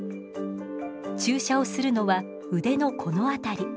注射をするのは腕のこの辺り。